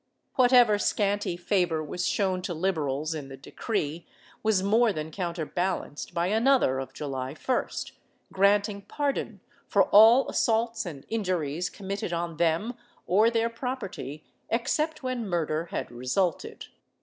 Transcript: Whatever scanty favor was shown to Liberals in the decree was more than counterbalanced by another of July 1st, granting pardon for all assaults and injuries committed on them or their property except when murder had resulted.